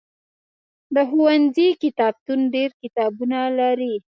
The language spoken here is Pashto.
د ښوونځي کتابتون ډېر کتابونه لري.